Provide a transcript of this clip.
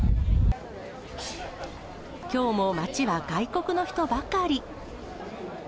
きょうも街は外国の人ばかり。